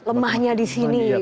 lemahnya di sini